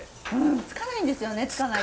つかないんですよねつかない時は。